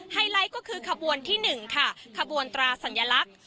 ไลท์ก็คือขบวนที่๑ค่ะขบวนตราสัญลักษณ์